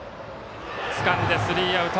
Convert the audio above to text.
つかんで、スリーアウト。